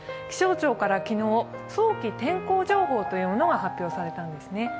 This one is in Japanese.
気象庁から昨日、早期天候情報というものが発表されたんですね。